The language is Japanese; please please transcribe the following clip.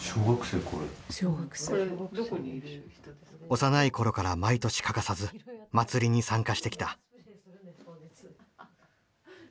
幼い頃から毎年欠かさず祭りに参加してきた。